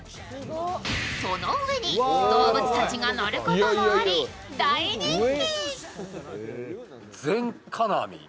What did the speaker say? そのうえに動物たちが乗ることもあり大人気。